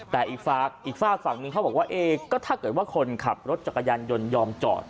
แต่อีกฝากอีกฝากฝั่งนึงเขาบอกว่าก็ถ้าเกิดว่าคนขับรถจักรยานยนต์ยอมจอด